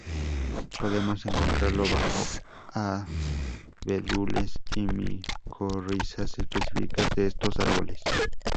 Podemos encontrarlo bajo abedules y micorrizas específicas de estos árboles.